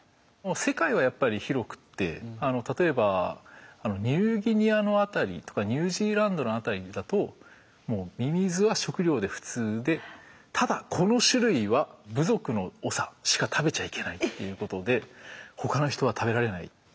世界はやっぱり広くって例えばニューギニアの辺りとかニュージーランドの辺りだともうミミズは食料で普通でただこの種類は部族の長しか食べちゃいけないっていうことで他の人は食べられないっていうミミズがあったりとか。